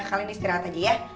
kalian istirahat aja ya